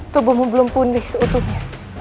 tubuhmu belum punih seutuhnya